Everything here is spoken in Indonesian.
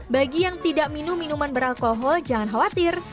bagi yang tidak minum minuman beralkohol jangan khawatir